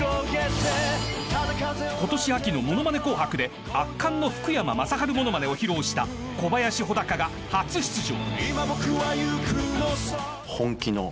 ［今年秋の『ものまね紅白』で圧巻の福山雅治ものまねを披露した小林穂高が初出場］